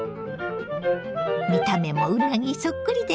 見た目もうなぎそっくりでしょ。